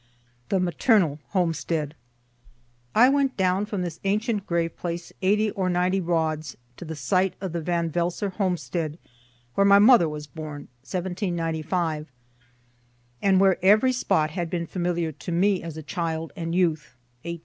THE MATERNAL HOMESTEAD I went down from this ancient grave place eighty or ninety rods to the site of the Van Velsor homestead, where my mother was born (1795,) and where every spot had been familiar to me as a child and youth (1825 '40.)